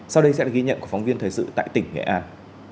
sau đây sẽ là ghi nhận của phóng viên thời sự tại tỉnh nghệ an